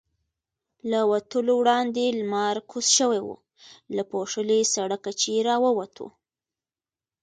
له وتلو وړاندې لمر کوز شوی و، له پوښلي سړکه چې را ووتو.